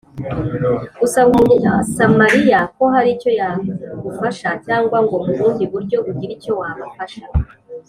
. Gusaba Umunyasamariya ko hari icyo yagufasha, cyangwa ngo mu bundi buryo ugire icyo wabafasha